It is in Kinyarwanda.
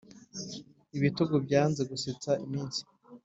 Ibitugu byanze gusetsa iminsi,